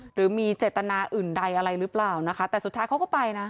หรือมีเจตนาอื่นใดอะไรหรือเปล่านะคะแต่สุดท้ายเขาก็ไปนะ